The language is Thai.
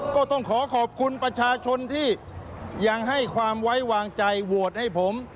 ก็ต้องขอขอบคุณประชาชนที่ยังให้ความไว้วางใจโหวตให้ผม